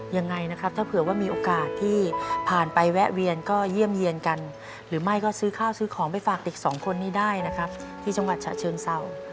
ยังไงนะครับถ้าเผื่อว่ามีโอกาสที่ผ่านไปแวะเวียนก็เยี่ยมเยี่ยนกันหรือไม่ก็ซื้อข้าวซื้อของไปฝากเด็กสองคนนี้ได้นะครับที่จังหวัดฉะเชิงเศร้า